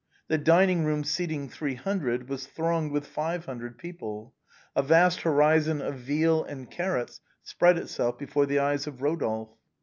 The dining room, seating three hundred, was thronged with five hundred people. A vast horizon of veal and carrots spread itself before the eyes of Eodolphe.